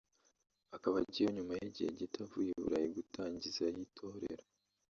akaba agiyeyo nyuma y'igihe gito avuye i Burayi gutangizayo itorero